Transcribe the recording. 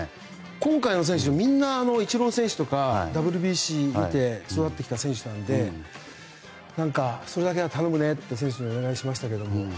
今回の選手はみんなイチロー選手とかＷＢＣを見て育ってきた選手なのでそれだけは頼むねと選手にはお願いしました。